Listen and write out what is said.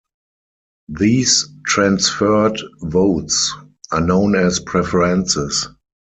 These transferred votes are known as preferences.